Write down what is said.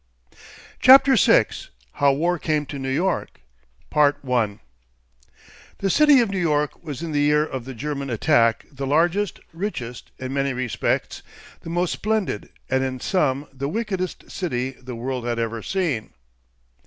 CHAPTER VI. HOW WAR CAME TO NEW YORK 1 The City of New York was in the year of the German attack the largest, richest, in many respects the most splendid, and in some, the wickedest city the world had ever seen.